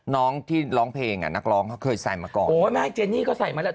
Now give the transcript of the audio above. น้องที่ร้องเพลงอ่ะนักร้องเขาเคยใส่มาก่อนโอ้ยไม่เจนี่ก็ใส่มาแล้ว